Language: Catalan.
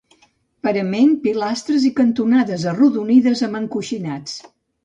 Parament, pilastres i cantonades arrodonides amb encoixinats.